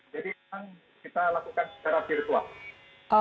jadi kami kita lakukan secara virtual